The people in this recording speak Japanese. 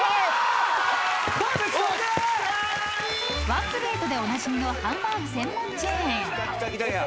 ［ワンプレートでおなじみのハンバーグ専門チェーン］